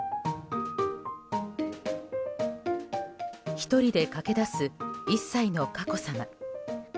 １人で駆け出す１歳の佳子さま。